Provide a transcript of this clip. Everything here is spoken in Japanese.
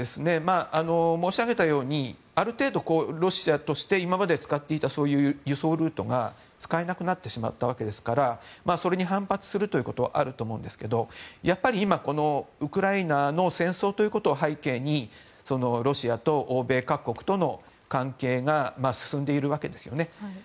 申し上げたようにある程度、ロシアとして今まで使っていたそういう輸送ルートが使えなくなってしまったわけですからそれに反発するということはあると思うんですけどやっぱり今、ウクライナの戦争ということを背景にロシアと欧米各国との関係が進んでいるわけですよね。